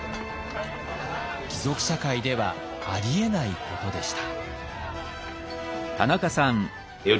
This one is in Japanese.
貴族社会ではありえないことでした。